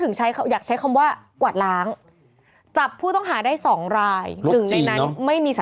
ที่ทำเนี่ยนี่